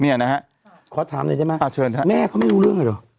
เนี่ยนะฮะขอถามหน่อยได้ไหมอ่าเชิญฮะแม่เขาไม่รู้เรื่องเลยเหรอ